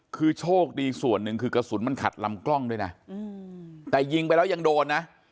คือโชคดีส่วนหนึ่งคือกระสุนมันขัดลำกล้องด้วยนะแต่ยิงไปแล้วยังโดนนะ